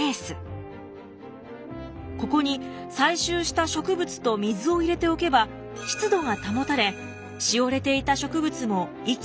ここに採集した植物と水を入れておけば湿度が保たれしおれていた植物も息を吹き返すのです。